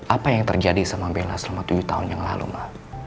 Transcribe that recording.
apa yang terjadi sama bella selama tujuh tahun yang lalu mbak